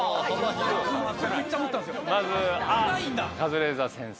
まずカズレーザー「せんす」。